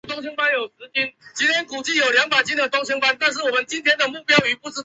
加拿大最高法院位置于首都渥太华。